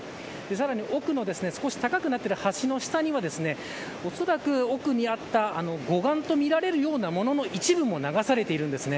さらに奥の少し高くなってる橋の下にはおそらく奥にあった護岸と見られるようなものの一部も流されているんですね。